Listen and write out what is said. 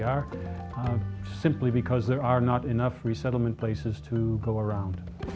hanya karena tidak ada tempat penyeludup yang cukup untuk dikembangkan